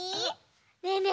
ねえねえ